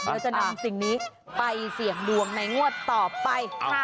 เราจะนำสิ่งนี้ไปเสี่ยงดวงในงวดต่อไป